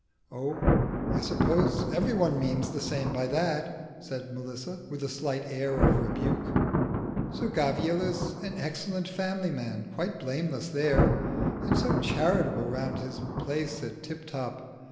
"Oh, I suppose every one means the same by that," said Melissa, with a slight air of rebuke. "Sir Gavial is an excellent family man quite blameless there; and so charitable round his place at Tiptop.